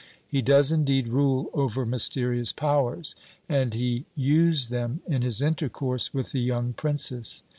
He does indeed rule over mysterious powers, and he used them in his intercourse with the young princess.